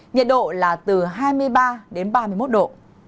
nhiệt độ là từ hai mươi ba đến ba mươi một độ